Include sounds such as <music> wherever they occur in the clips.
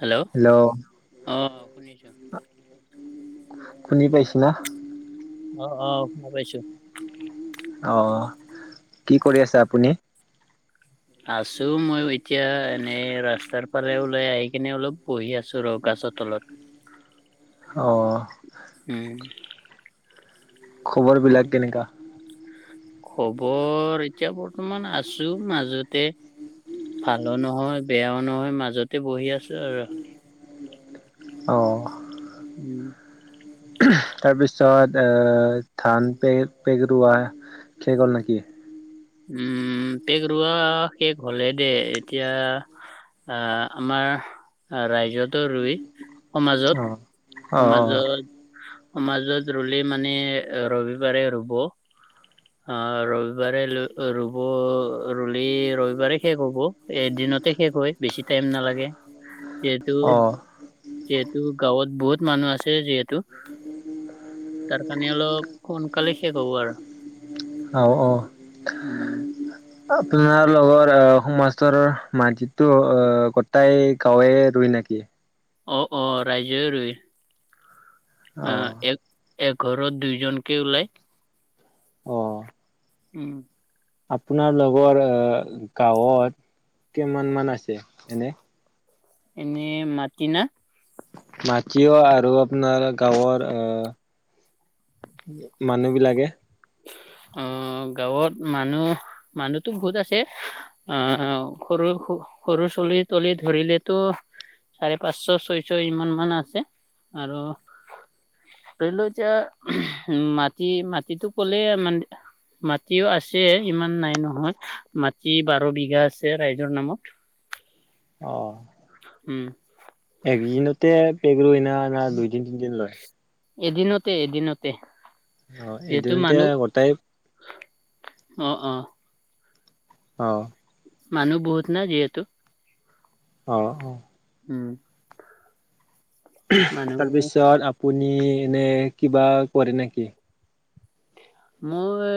Hello, অ' শুনিছো। শুনি পাইছিলা? অ', অ', শুনা পাইছোঁ। অ', কি কৰি আছে আপুনি? আছোঁ মই এতিয়া এনেই ৰাস্তাৰ ফালে ওলাই আহি কিনে অলপ বহি আছো ৰ! গাছৰ তলত। অঁ। উম'। খবৰ বিলাক কেনেকা? খবৰ এতিয়া বৰ্তমান আছো মাজতে ভালো নহয় বেয়াও নহয় মাজতে বহি আছো আৰু। অ'। উম। তাৰপিছত আ, ধান পেগ পেগৰুৱা শেষ গ'ল নেকি? উম, পেক ৰোৱা শেষ হ'লে দে, এতিয়া আহ, আমাৰ ৰাইজতো ৰুই অ সমাজত অ সমাজত সমাজত ৰুলে মানে ৰবিবাৰে ৰুব। আ, ৰবিবাৰে ৰুব, ৰুলে ৰবিবাৰে শেষ হব। এদিনতে শেষ হয়, বেছি টাইম নালাগে। <inaudible> যিহেতু অ অ যিহেতু গাঁৱত বহুত মানুহ আছে যিহেতু তাৰ কাৰণে অলপ সোনকালে শেষ হ'ব আৰু। অ অঁ উম আপোনাৰ লগৰ সমাজৰৰ মাটিতটো গোটাই গাঁৱে ৰুই নেকি? অঁ অঁ ৰাইজ ৰুই, অ আঁহ এক এঘৰত দুইজনকে ওলাই অঁ। উম। আপোনাৰ লগৰ গাঁৱত কেইমান মান আছে এনে? এনে মাটি না? মাটিও আৰু আপোনাৰ গাঁৱৰ আহ মানুহ বিলাকে অ' গাঁৱত মানুহ মানুহতো বহুত আছে। আহ, সৰু সৰু চলি তলি ধৰিলেতো চাৰে পাঁচশ ছয়শ ইমান মান আছে আৰু ধৰিল এতিয়া উ, মাটি মাটিতটো ক'লে মান মাটিও আছে ইমান নাই নহয় মাটি বাৰ বিঘা আছে ৰাইজৰ নামত। অহ। উম। একদিনতে পেগ <unintelligible> দুইদিন তিনিদিন লয়। এদিনতে এদিনতে। অঁ যিহেতু এইদিনতে মানুহ গোতাই অ অ অঁ মানুহ বহুত না যিহেতু অহ অহ উম। মানুহ তাৰপিছত আপুনি এনেই কিবা কৰে নেকি? মই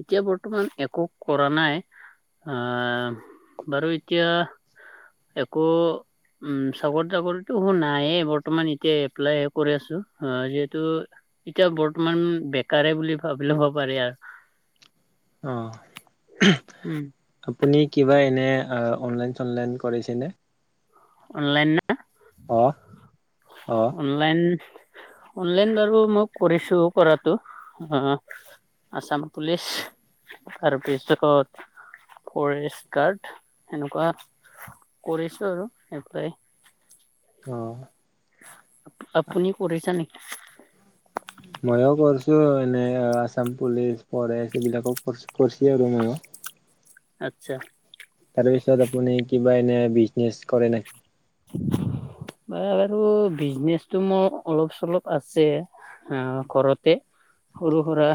এতিয়া বৰ্তমান একো কৰা নাই। আহ বাৰু এতিয়া একো উম চাকৰি তাকৰিতটো মোৰ নাই বৰ্তমান এতিয়া এপ্লাই কৰি আছো যিহেতু এতিয়া বৰ্তমান বেকাৰে বুলি ভাবিলব হ'ব পাৰি আৰু অ উম আপুনি কিবা এনে অনলাইন চনলাইন কৰিছেনে। অনলাইন না? অ' অ'। অনলাইন- অনলাইন বাৰু মই কৰিছো কৰাতো। আছাম পুলিচ, তাৰপিছত। ফৰেষ্ট গাৰ্ড সেনেকুৱা কৰিছো আৰু এপ্লাই। অঁ। আপুনি কৰিছা নেকি? মইও কৰিছো এনে আছাম পুলিচ, ফৰেষ্ট এইবিলাকোছ কৰিছে আৰু ময়ো। আচ্ছা। তাৰপিছত আপুনি কিবা এনে বিজনেচ কৰে নেকি? উ। বা বাৰু বিজনেচটো মোৰ অলপ চলপ আছে। অ' ঘৰতে সৰু সুৰা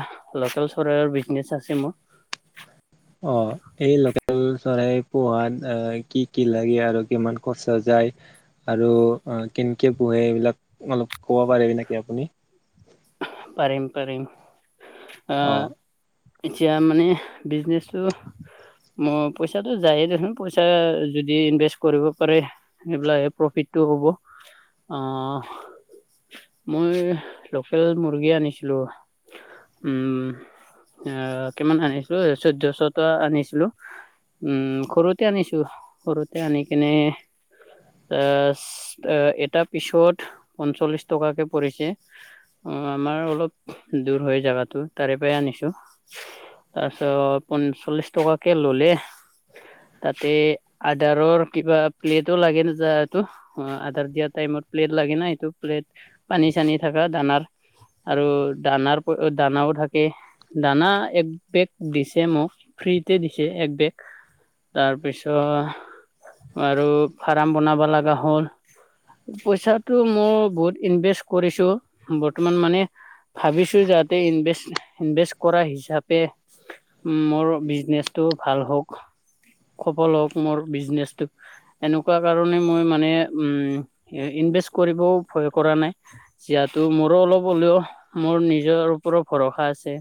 লোকেল চৰাইৰ বিজনেচ আছে মোৰ। অ' এই লোকেল চৰাই পোহাত, আহ কি কি লাগে আৰু কিমান খচ যায়। আৰু কেনেকৈ পোহে এইবিলাক অলপ ক'ব পাৰিবি নকি আপুনি? পাৰিম- পাৰিম অ আহ। এতিয়া মানে বিজনেছটো। মই পইচাটো যায়ে দেখোন, পইচা যদি ইনভেষ্ট কৰিব পাৰে।। সেইবিলাকে প্ৰফিটটো হ'ব আহ মই লোকেল মুৰ্গী আনিছিলো উম। আহ কিমান আনিছিলো চৈধ্যশটা আনিছিলো। উম সৰুতে আনিছো সৰুতে আনি কেনে এ' এটা পিছত পঞ্চল্লিশ টকাকে পৰিছে। অ', আমাৰ অলপ দূৰ হয় জোগাতো তাৰে পৰাই আনিছো। তাৰপিছত পচল্লিশ টকাকে ললে তাতে আদাৰৰ কিবা প্লেটো লাগে নযটো অ' আধাৰ দিয়া টাইমত প্লেট লাগে না সটো প্লেট পানী চানী থকা দানাৰ। আৰু দানাৰ, দানাও থাকে। দানা এক বেগ দিছে মোক, ফ্ৰীতে দিছে এক বেগ। তাৰপিছত আৰু ফাৰ্ম বনাব লগা হ'ল। পইচাটো মই বহুত ইনভেষ্ট কৰিছোঁ। বৰ্তমান মানে ভাবিছো যাতে ইনভেষ্ট ইনভেষ্ট কৰা হিচাপে মোৰ বিজনেচটো ভাল হওঁক, সফল হওঁক মোৰ বিজনেচটো। এনেকুৱা কাৰণে মই মানে উম। ইনভেষ্ট কৰিবও ভয় কৰা নাই ইয়াত ত' মোৰো অলপ হ'লেও মোৰ নিজৰ ওপৰত ভৰসা আছে।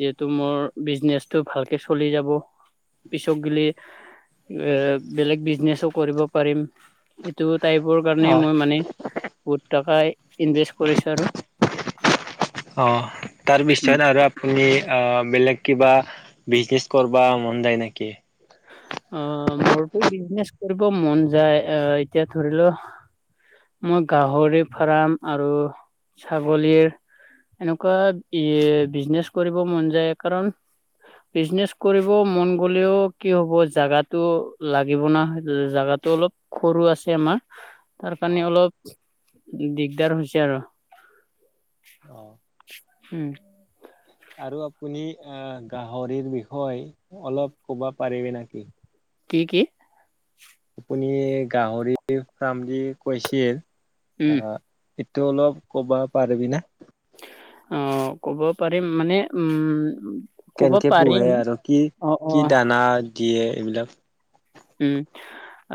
যিহেতু মোৰ বিজনেচটো ভালকে চলি যাব পিছক গিলি। এ' বেলেগ বিজনেছো কৰিব পাৰিম। এইটো টাইপৰ কাৰণে অ মই মানে বহুত টকা ইনভেষ্ট কৰিছো আৰু। অ', তাৰ পিছত উম আৰু আপুনি অ', বেলেগ কিবা বিজনেচ কৰিব মন যায় নেকি? অ', মোৰতো বিজনেচ কৰিব মন যায় আহ এতিয়া ধৰি লও মই গাহৰি ফাৰ্ম আৰু ছাগলীৰ এনেকুৱা ই বিজনেচ কৰিব মন যায় কাৰণ বিজনেচ কৰিব মন গ'লেও কি হ'ব, জোগাতটো লাগিব না। জাগাতো অলপ সৰু আছে আমাৰ। তাৰ অ কাৰণে অলপ দিগদাৰ হৈছে আৰু। অহ। উম আৰু আপুনি গাহৰিৰ বিষয়ে অলপ ক'বা পাৰিবি নাকি? কি কি? আপুনি গাহৰি ফ্ৰাম দি কৈছিল উম আহ এইটো অলপ ক'বা পাৰিবি না? অহ ক'ব পাৰিম মানে উম ক'ব কেনেকে পোহে? পাৰিম আৰু কি অ অ কি দানা দিয়ে এইবিলাক উম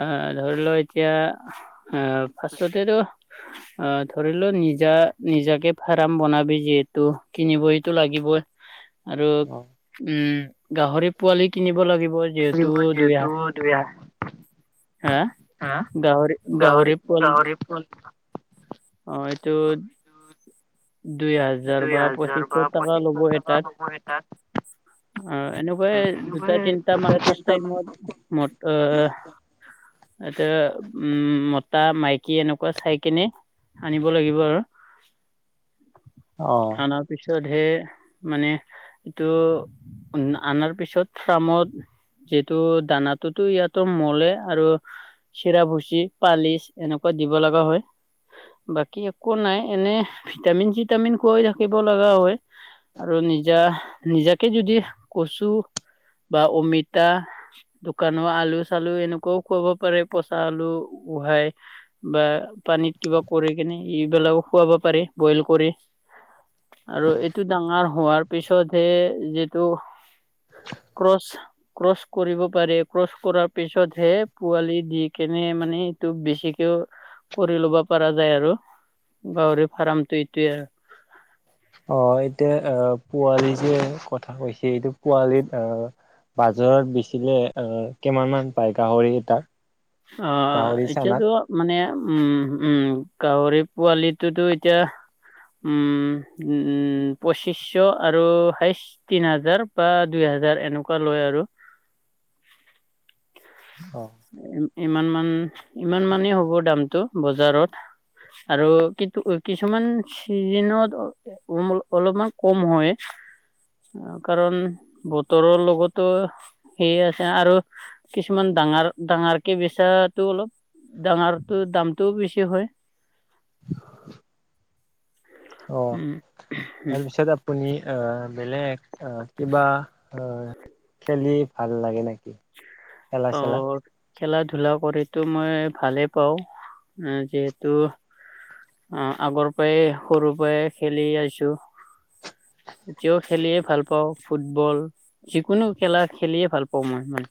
আহ ধৰি লও এতিয়া আহ ফাৰ্চটতেতো অ ধৰি লও নিজা নিজাকে ফাৰ্ম বনাবি যিহেতু কিনিবইটো লাগিব। <inaudible> আৰু অ উম গাহৰি পোৱালি কিনিব লাগিব যিহেতু দুই <unintelligible> হা হা। গাহৰি গাহৰি পোৱালি গহৰি-গহৰি অ এইটো দুই হাজাৰ দুই বা হাজাৰ বা পঁচিশশ টকা পঁচিছশ ল'ব টকা ল'ব এটাত। অ এনেকুৱাই এনেকুৱাই দুটা তিনটা দুটা মান ফাৰ্ষ তিনিটা টাইত মান ম অ এতিয়া উম মতা-মাইকী এনেকুৱা চাই কেনে আনিব লাগিব আৰু। অ। অনাৰ পিছতহে মানে এইটো, অনাৰ পিছত ফাৰ্মত যিহেতু দানাতো ইয়াতে মলে আৰু চিৰাভুচি পালিচ এনেকুৱা দিব লগা হয়। বাকী একো নাই এনে ভিটামিন-চিটামিন কুৱাই থাকিব লগা হয়। আৰু নিজা নিজাকে যদি কচু বা অমিতা দোকানৰ আলু-চালু এনেকুৱাও খুৱাব পাৰে পচা আলু উহাই। বা পানীত কিবা কৰি কেনে এইবিলাকও খুৱাব পাৰে বইল কৰি। আৰু এইটো ডাঙৰ হোৱাৰ পিছতহে যিটো ক্ৰচ ক্ৰচ কৰিব পাৰে। ক্ৰচ কৰাৰ পিছতহে পোৱালি দি কেনে মানে এইটো বেছিকেও কৰি ল'ব পৰা যায় আৰু গাহৰি ফাৰ্মটো এইটোয়ে অ এতিয়া আহ পোৱালি যে কথা কৈছে এইটো পোৱালিত আহ বাজৰত বিচিলে অ কিমান মান পায় গাহৰি এটাত? অ গাহৰি চানাত এতিয়াটো মানে উম, উম, গাহৰি পোৱালিটোতো এতিয়া উম পঁচিছশ আৰু হাইষ্ট তিন হাজাৰ বা দুই হাজাৰ এনেকুৱা লয় আৰু। অ। ইমান মান, ইমান মানেই হ'ব দামটো বজাৰত। আৰু কিন্তু কিছুমান চিজিনত অল অলপমান কম হয় কাৰণ বতৰৰ লগতো সেই আছে আৰু কিছুমান ডাঙৰ, ডাঙৰকে বিচাৰাটো অলপ ডাঙৰটো দামটোও বেছি হয়। অ', উম। তাৰ পিছৰত- তুমি অ' ললে অ' কিবা, অ' খেলি ভাল লাগে নেকি? খেলা চেলা অ', খেলা-ধূলা কৰিতো মই ভালেই পাওঁ। যিহেতু- অ' আগৰ পাৱেই সৰু পাই খেলি আইছো। এতিয়াও খেলিয়ে ভাল পাওঁ, ফুটবল যিকোনো খেলা খেলিয়ে ভাল পাওঁ মই মানে।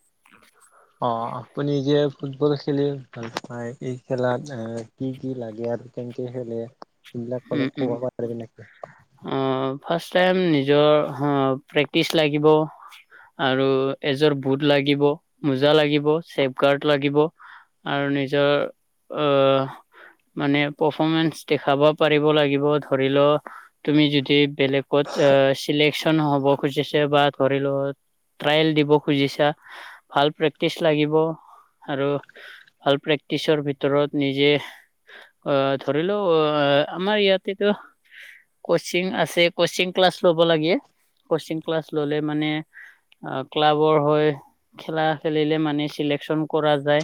অ' আপুনি যে ফুটবল খেলি ভাল পায়, এই খেলাত এ- কি কি লাগে আৰু কেনেকে খেলে? সেইবিলাক উম, অলপ ক'ব উম, পাৰবি না কি? অ' ফাষ্ট টাইম নিজৰ প্ৰেক্টিচ লাগিব, আৰু এযোৰ বুট লাগিব, মোজা লাগিব, ছেফ গাৰ্ড লাগিব আৰু নিজৰ অ' মানে পাৰফৰ্মেঞ্চ দেখাব- পাৰিব লাগিব ধৰি ল' তুমি যদি বেলেগত চিলেক্ট চন হব খুজিছা বা ধৰি লোৱা ট্ৰায়েল দিব খুজিছা ভাল প্ৰেক্টিচ লাগিব আৰু ভাল প্ৰেক্টিচৰ ভিতৰত নিজে, অ' ধৰিলও অ আমাৰ ইয়াতেতো কচিং আছে কচিং ক্লাছ ল'ব লাগে, কচিং ক্লাছ ললে মানে ক্লাবৰ হয় খেলা খেলিলে মানে চিলেকচন কৰা যায়।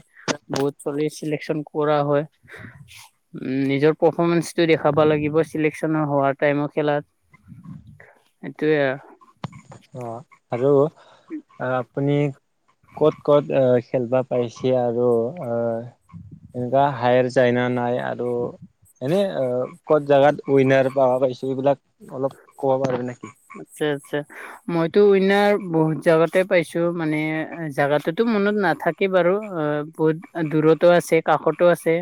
বহুত চলিৰ চিলেকচন কৰা হয়। উম, নিজৰ পাৰফৰ্মেঞ্চ টো দেখাব লাগিব চিলেকচন হোৱাৰ টাইমো খেলাত, সেইটোৱে আৱ। অ আৰু অ' আপুনি ক'ত ক'ত অ' খেলবা পাইছি আৰু অ'- এনেকুৱা হায়াৰ যায়না নাই আৰু এনেই অ- ক'ত জাগাত উইনাৰ পাবা পাৰিছো এইবিলাক অলপ ক'ব পাৰি নেকি? আচ্ছা আচ্ছা। মইতো উইনাৰ বহুত জাগাতে পাইছো মানে জাগাতোটো মনত নাথাক কে বাৰু অ বহুত দূৰতো আছে কাষতো আছে।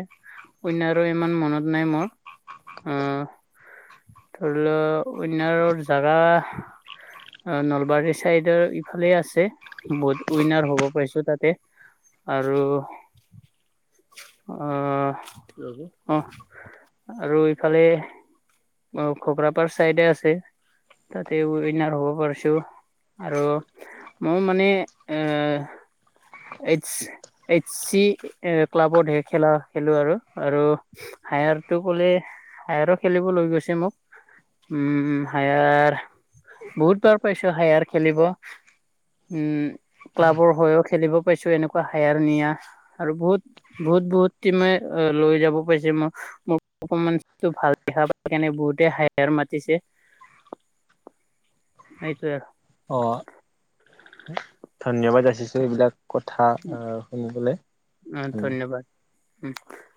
অন্য আৰু ইমান মনত নাই মোৰ, আহঁ ধৰি ল' উইনাৰৰ জাগা অ নলবাৰী চাইডৰ ইফালে আছে, বহুত উইনাৰ হ'ব পাৰিছো তাতে। আৰু অ, অঁহ আৰু ইফালে অ খকৰাপাৰ চাইডে আছে। তাতে উইনাৰ হব পাৰিছু। আৰু মই মানে এ এইচ, এইচ চি, এ ক্লাবত হে খেলা খেলো আৰু, আৰু- হায়াৰটো ক'লে- হায়াৰো খেলিব লৈ গৈছে মোক। উম' হায়াৰ বহুতবাৰ পাইছো হায়াৰ খেলিব। উম' ক্লাবৰ হৈও খেলিব পাইছো এনেকুৱা হায়াৰ নিয়া আৰু বহুত- বহুত-বহুত তিমে লৈ যাব পাইছে মোক। মোক অকমান ভাল দেখা পায় কিণে বহুতে হাইয়াৰ মাতিছে। হেইটোৱে। অঁ ধন্যবাদ যাচিছো এইবিলাক কথা শুনিবলে। আৰু ধন্যবাদ উম